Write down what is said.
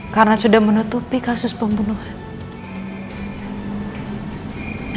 karena sudah menutupi kasus pembunuhan